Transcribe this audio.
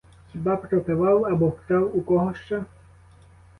Хіба пропивав або вкрав у кого що?